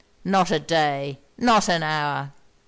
'Not a day! Not an hour!'